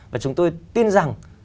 và chúng tôi tin rằng